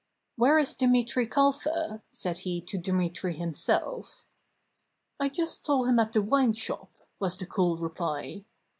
"Where is Demetri Calfa?" said he to Demetri himself. "I just saw him at the wine shop," was the cool reply.